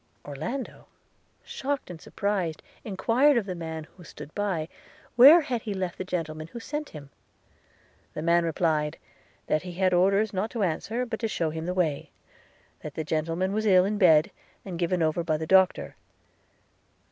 Orlando, shocked and surprised, enquired of the man, who stood by, 'where he had left the gentleman who sent him?' – The man replied, 'that he had orders not to answer, but to shew him the way: – that the gentleman was ill in bed, and given over by the doctor.'